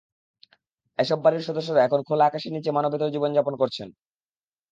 এসব বাড়ির সদস্যরা এখন খোলা আকাশের নিচে মানবেতর জীবন যাপন করছেন।